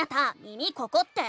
「耳ここ⁉」って。